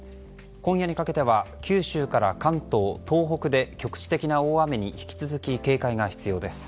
今夜にかけては九州から関東で局地的な大雨に引き続き警戒が必要です。